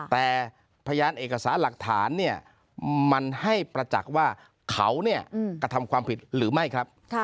แต่พยานเอกสารหลักฐานเนี่ยมันให้ประจักษ์ว่าเขากระทำความผิดหรือไม่ครับ